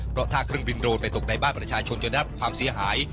เพราะถ้าเครื่องบินโรนไปตกในบ้านประชาชนจนได้รับความเสียหาย